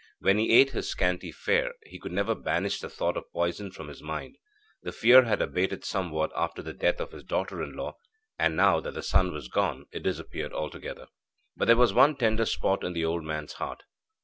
When he ate his scanty fare, he could never banish the thought of poison from his mind. This fear had abated somewhat after the death of his daughter in law, and, now that the son was gone, it disappeared altogether. But there was one tender spot in the old man's heart.